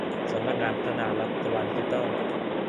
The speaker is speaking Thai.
สำนักงานพัฒนารัฐบาลดิจิทัล